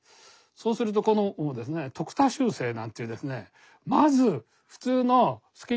そうするとこのですね徳田秋声なんていうですね